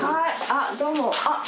あどうも。